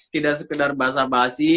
tidak sekedar bahasa bahasi